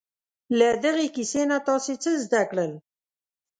له دغې کیسې نه تاسې څه زده کړل؟